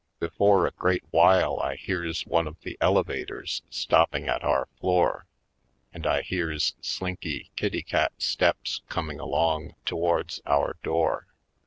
Be fore a great while I hears one of the ele vators stopping at our floor and I hears slinky kitty cat steps coming along towards our door.